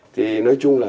thì nói chung là